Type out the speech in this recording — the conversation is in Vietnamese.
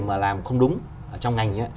mà làm không đúng trong ngành